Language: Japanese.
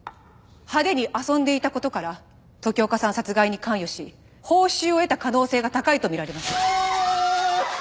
派手に遊んでいた事から時岡さん殺害に関与し報酬を得た可能性が高いと見られます。